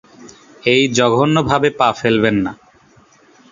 এই জঘন্য ভাবে পা ফেলবেন না।